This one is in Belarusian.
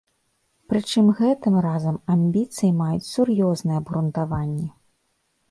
Прычым гэтым разам амбіцыі маюць сур'ёзнае абгрунтаванне.